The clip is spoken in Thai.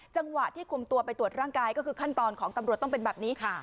จังหวะที่คุมตัวไปตรวจร่างกายก็คือขั้นตอนของตำรวจต้องเป็นแบบนี้ค่ะ